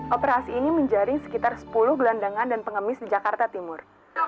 operasi ini menjaring sekitar sepuluh gelandangan dan pengemis di jakarta timur